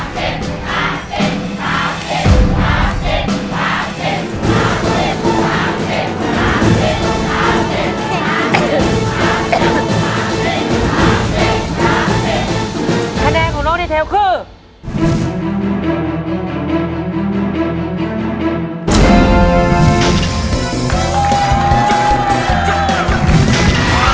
คะแนนของน้องดีเทลคือ